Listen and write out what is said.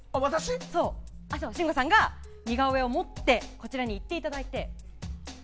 信五さんが似顔絵を持ってこちらに行っていただいて。